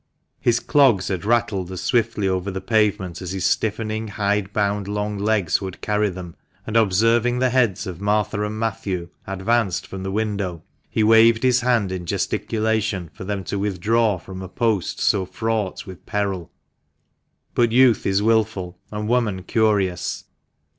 His clogs had rattled as swiftly over the pavement as his stiffening, hide bound, long legs would carry them, and observing the heads of Martha and Matthew advanced from the window, he waved his hand in gesticulation for them to withdraw from a post so fraught with peril. But youth is wilful, and woman curious.